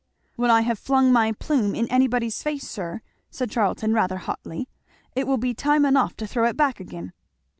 "When I have flung my plume in anybody's face, sir," said Charlton rather hotly, "it will be time enough to throw it back again."